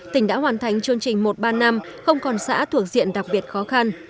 tỉnh đã hoàn thành chương trình một ba năm không còn xã thuộc diện đặc biệt khó khăn